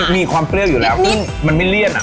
มีความเปรี้ยวอยู่แล้วมันไม่เลี่ยน